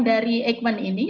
dari ekmen ini